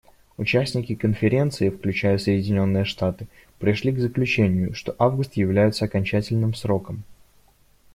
Участники Конференции, включая Соединенные Штаты, пришли к заключению, что август является окончательным сроком.